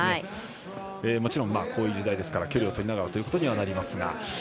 もちろんこういう時代ですから距離を取りながらということにはなりますが。